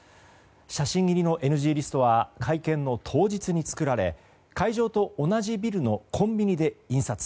写真入りのＮＧリストは会見の当日に作られ会場と同じビルのコンビニで印刷。